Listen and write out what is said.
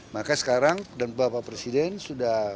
maka sekarang dan bapak presiden sudah